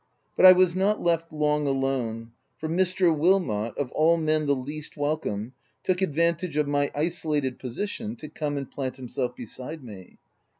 But I was not left long alone, for Mr. Wil mot, of all men the least welcome, took ad vantage of my isolated position to come and plant himself beside me.